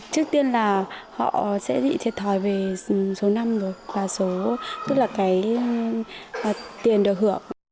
trước tiên là họ sẽ bị thiệt thòi về số năm rồi và số tức là cái tiền được hưởng